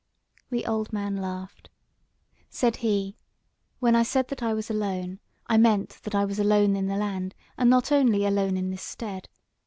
The old man laughed. Said he: "When I said that I was alone, I meant that I was alone in the land and not only alone in this stead.